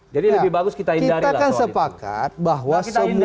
jadi lebih bagus kita hindari lah soal itu